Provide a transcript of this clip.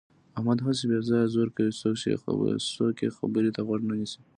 احمد هسې بې ځایه زور کوي. څوک یې خبرې ته غوږ نه نیسي.